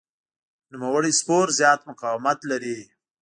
نوموړی سپور زیات مقاومت لري.